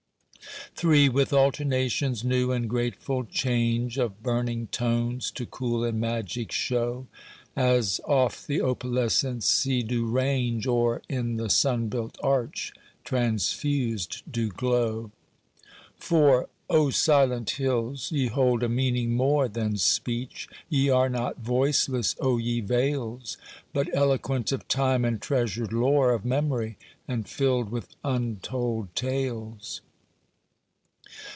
III With alternations new and grateful change Of burning tones to cool in magic show, As oft the opalescent sea do range Or in the sun built arch transfused do glow. IV O silent hills! ye hold a meaning more Than speech; ye are not voiceless, O ye vales! But eloquent of time and treasured lore Of memory, and filled with untold tales.